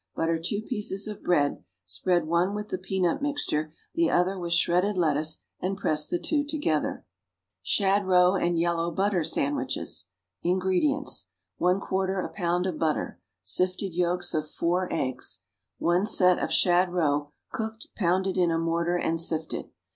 Butter two pieces of bread; spread one with the peanut mixture, the other with shredded lettuce, and press the two together. =Shad Roe and Yellow Butter Sandwiches.= INGREDIENTS. 1/4 a pound of butter. Sifted yolks of 4 eggs. 1 set of shad roe, cooked, pounded in a mortar and sifted.